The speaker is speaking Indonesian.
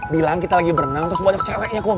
bilang kita lagi berenang terus banyak ceweknya kok